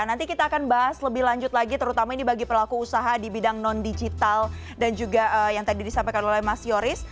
nanti kita akan bahas lebih lanjut lagi terutama ini bagi pelaku usaha di bidang non digital dan juga yang tadi disampaikan oleh mas yoris